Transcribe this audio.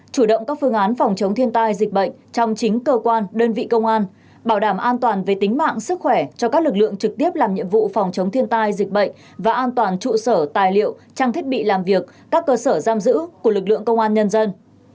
chủ động các phương án phòng chống thiên tai dịch bệnh trong chính cơ quan đơn vị công an bảo đảm an toàn về tính mạng sức khỏe cho các lực lượng trực tiếp làm nhiệm vụ phòng chống thiên tai dịch bệnh và an toàn trụ sở tài liệu trang thiết bị làm việc các cơ sở giam giữ của lực lượng công an nhân dân